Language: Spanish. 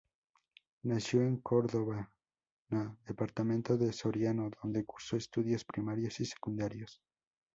Nació en Cardona, departamento de Soriano, donde cursó estudios primarios y secundarios.